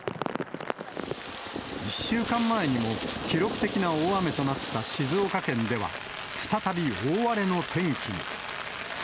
１週間前にも記録的な大雨となった静岡県では、再び大荒れの天気に。